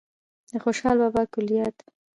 د خوشال بابا کلیات